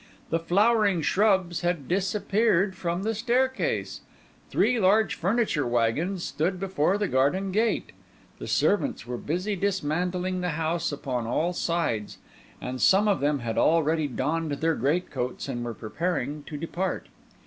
The flowering shrubs had disappeared from the staircase; three large furniture waggons stood before the garden gate; the servants were busy dismantling the house upon all sides; and some of them had already donned their great coats and were preparing to depart.